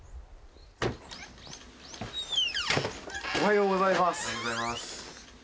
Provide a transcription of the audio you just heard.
おはようございます。